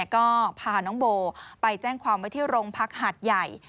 ก็พาน้องโบไปแจ้งความไว้ที่โรงพักหาดใหญ่